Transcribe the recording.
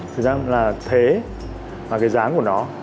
thứ năm là thế và cái dáng của nó